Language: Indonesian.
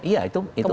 iya itu memang